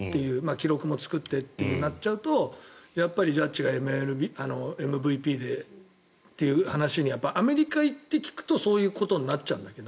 記録も作ってとなっちゃうとやっぱりジャッジがＭＶＰでという話にアメリカに行って聞くとそういうことになっちゃうんだけど。